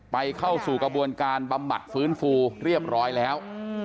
เข้าสู่กระบวนการบำบัดฟื้นฟูเรียบร้อยแล้ว